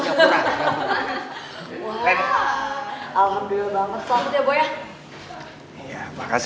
wah alhamdulillah banget selamat ya boy